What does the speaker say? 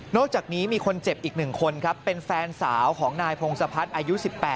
อกจากนี้มีคนเจ็บอีก๑คนครับเป็นแฟนสาวของนายพงศพัฒน์อายุ๑๘